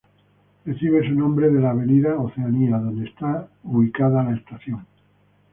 Recibe su nombre de la avenida Oceanía donde está ubicada la estación.